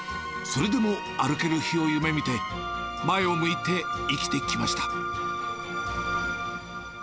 それでも歩ける日を夢みて、前を向いて生きてきました。